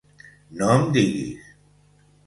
No em diguis!